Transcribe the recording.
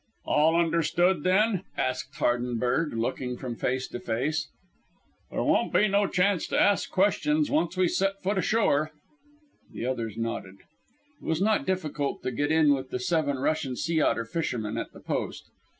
"All understood, then?" asked Hardenberg, looking from face to face. "There won't be no chance to ask questions once we set foot ashore." The others nodded. It was not difficult to get in with the seven Russian sea otter fishermen at the post.